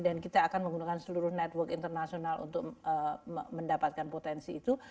dan kita akan menggunakan seluruh network internasional untuk mendapatkan potensi itu